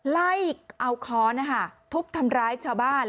ไล่เอาค้อนทุบทำร้ายชาวบ้าน